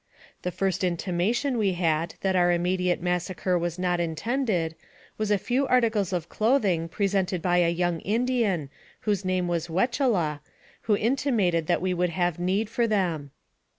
The first intimation we had that our immediate mas sacre was not intended, was a few articles of clothing presented by a young Indian, whose name was Wechela, who intimated that we would have need for them.